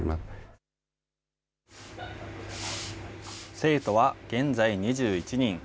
生徒は現在２１人。